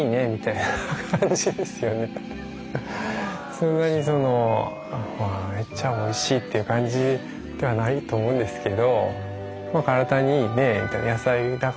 そんなに「めっちゃおいしい」っていう感じではないと思うんですけど。